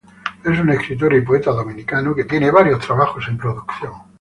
Es un escritor y poeta dominicano que tiene varios trabajos en producción.